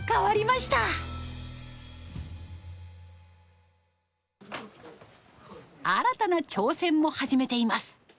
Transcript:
新たな挑戦も始めています。